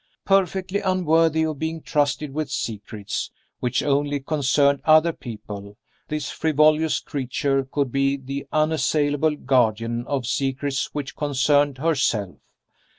Perfectly unworthy of being trusted with secrets which only concerned other people, this frivolous creature could be the unassailable guardian of secrets which concerned herself.